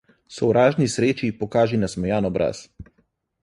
Sovražni sreči pokaži nasmejan obraz.